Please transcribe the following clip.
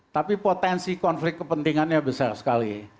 tapi potensi konflik kepentingannya besar sekali